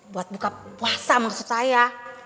buat buka puasa maksud saya